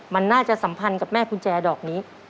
มันน่าจะสัมพันธ์กับแม่กุญแจดอกนี้